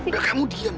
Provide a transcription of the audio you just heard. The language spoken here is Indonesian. biar kamu diam san